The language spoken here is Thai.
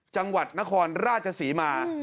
จังหวัดนครราชศรีมา